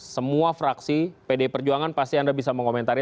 semua fraksi pd perjuangan pasti anda bisa mengomentari